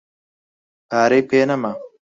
پارەی پێ نەما.